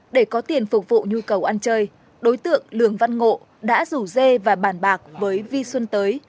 để có tiền phục vụ nhu cầu ăn chơi đối tượng lường văn ngộ đã rủ dê và bàn bạc với vi xuân tới